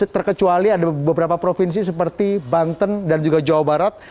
terkecuali ada beberapa provinsi seperti banten dan juga jawa barat